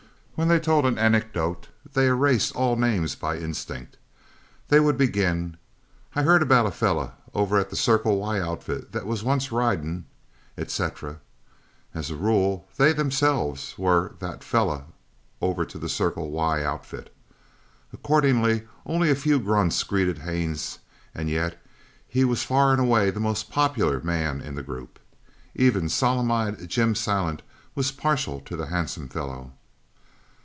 When they told an anecdote they erased all names by instinct. They would begin: "I heard about a feller over to the Circle Y outfit that was once ridin' " etc. As a rule they themselves were "that feller over to the Circle Y outfit." Accordingly only a few grunts greeted Haines and yet he was far and away the most popular man in the group. Even solemn eyed Jim Silent was partial to the handsome fellow.